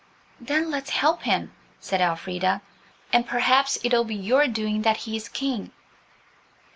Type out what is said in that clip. "Then let's help him," said Elfrida, "and perhaps it'll be your doing that he is King."